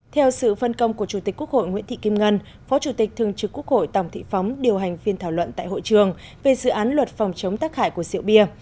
theo sự phân công của chủ tịch quốc hội nguyễn thị kim ngân phó chủ tịch thường trực quốc hội tổng thị phóng điều hành phiên thảo luận tại hội trường về dự án luật phòng chống tác hại của rượu bia